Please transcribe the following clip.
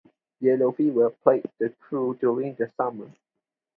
Yellow fever plagued the crew during the summer.